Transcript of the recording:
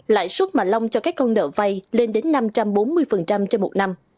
lãi suất mà long cho các con nợ vay lên đến năm trăm bốn mươi trên một năm